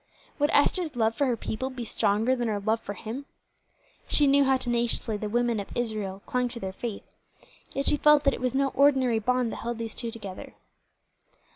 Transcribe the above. Would Esther's love for her people be stronger than her love for him? She knew how tenaciously the women of Israel cling to their faith, yet she felt that it was no ordinary bond that held these two together.